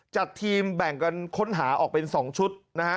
จัดทีมแบ่งกันค้นหาออกเป็น๒ชุดนะฮะ